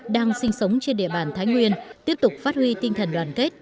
đang sinh sống trên địa bàn thái nguyên tiếp tục phát huy tinh thần đoàn kết